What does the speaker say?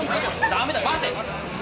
ダメだ待て。